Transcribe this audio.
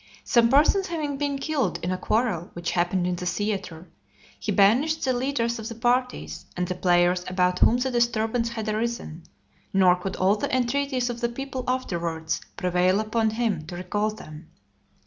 Some persons having been killed in a quarrel which happened in the theatre, he banished the leaders of the parties, and the players about whom the disturbance had arisen; nor could all the entreaties of the people afterwards prevail upon him to recall them .